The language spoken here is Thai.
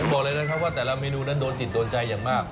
บอกเลยนะครับว่าแต่ละเมนูนั้นโดนจิตโดนใจอย่างมาก